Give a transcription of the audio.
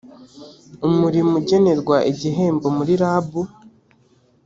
umurimo ugenerwa igihembo muri rab